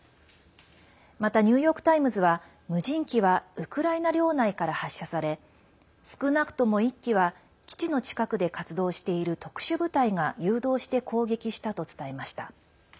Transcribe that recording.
また、ニューヨーク・タイムズは無人機はウクライナ領内から発射され少なくとも１機は基地の近くで活動している特殊部隊が誘導して攻撃したと伝えました。